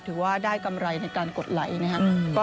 ถือว่าได้กำไรในการกดไลค์นะครับ